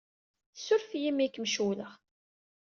Ssuref-iyi imi ay kem-cewwleɣ.